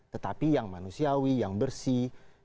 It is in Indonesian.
tetapi yang manusiawi yang bersih